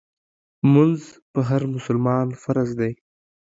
مونځ په هر مسلمان فرض دی